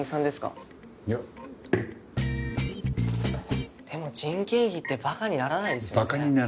でも人件費ってバカにならないですよね。